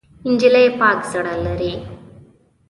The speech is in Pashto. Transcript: نجلۍ پاک زړه لري.